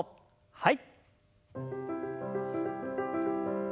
はい。